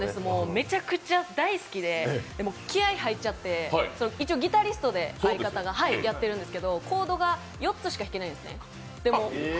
めちゃくちゃ大好きで、ギタリストで相方がやっているんですけど、コードが４つしか弾けないんです。